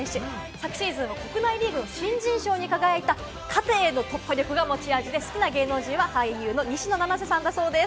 昨シーズンは国内リーグの新人賞に輝いた縦への突破力が持ち味で好きな芸能人は俳優の西野七瀬さんだそうです。